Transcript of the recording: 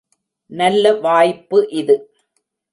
நல்ல வாய்ப்பு இது.